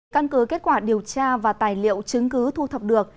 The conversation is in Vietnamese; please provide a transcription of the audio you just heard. căn cứ kết quả điều tra và tài liệu chứng cứ thu thập được